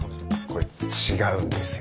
これ違うんですよ。